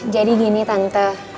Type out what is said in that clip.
jadi gini tante